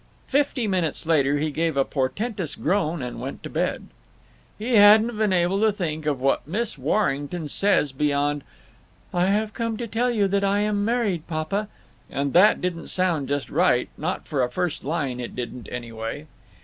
Fifty minutes later he gave a portentous groan and went to bed. He hadn't been able to think of what Miss Warrington says beyond "I have come to tell you that I am married, papa," and that didn't sound just right; not for a first line it didn't, anyway.